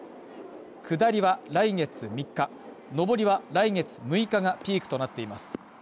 下りは来月３日上りは来月６日がピークとなっています。